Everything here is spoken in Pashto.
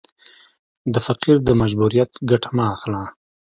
د فقیر د مجبوریت ګټه مه اخله.